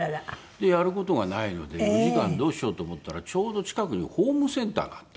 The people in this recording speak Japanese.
でやる事がないので４時間どうしようと思ったらちょうど近くにホームセンターがあったんです。